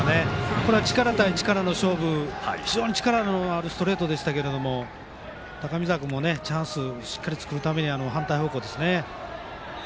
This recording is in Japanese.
これは力対力の勝負力のあるストレートに高見澤君もチャンスを作るために反対方向ですね。